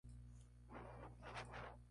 Químicamente es un aminoácido.